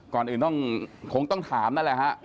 ก่อนอื่นต้องคงต้องถามนั่นแหละฮะ